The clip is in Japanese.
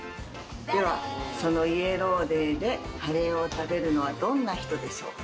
では、そのイエローデーでカレーを食べるのはどんな人でしょう？